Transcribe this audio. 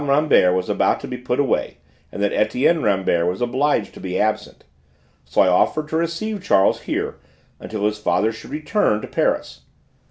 Rambert was about to be put away, and that Etienne Rambert was obliged to be absent, so I offered to receive Charles here until his father should return to Paris.